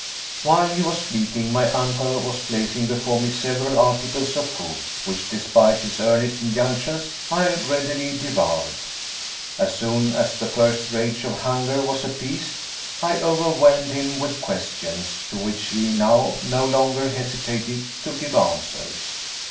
While he was speaking, my uncle was placing before me several articles of food, which, despite his earnest injunctions, I readily devoured. As soon as the first rage of hunger was appeased, I overwhelmed him with questions, to which he now no longer hesitated to give answers.